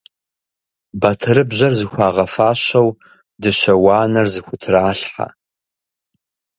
Батырыбжьэр зыхуагъэфащэу, дыщэ уанэр зыхутралъхьэ.